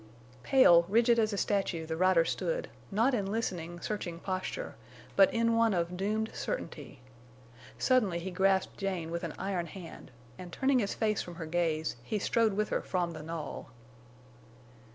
Pale, rigid as a statue, the rider stood, not in listening, searching posture, but in one of doomed certainty. Suddenly he grasped Jane with an iron hand, and, turning his face from her gaze, he strode with her from the knoll.